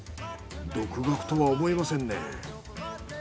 独学とは思えませんね。